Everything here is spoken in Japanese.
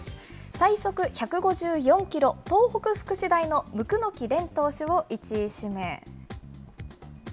最速１５４キロ、東北福祉大の椋木蓮投手を１位指名。